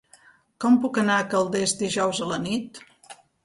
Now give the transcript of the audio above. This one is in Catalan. Com puc anar a Calders dijous a la nit?